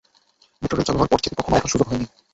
Metro rail চালু হওয়ার পর থেকে কখনও ওঠার সুযোগ হয়নি।